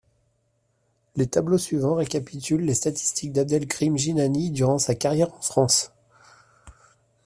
Le tableau suivant récapitule les statistiques d'Abdelkrim Jinani durant sa carrière en France.